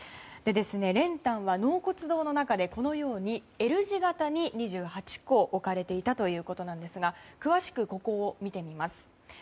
練炭は、納骨堂の中でこのようにＬ字形に２８個置かれていたということですが詳しくここを見てみます。